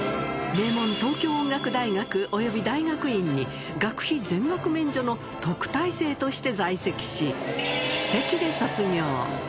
名門、東京音楽大学および大学院に学費全額免除の特待生として在籍し、首席で卒業。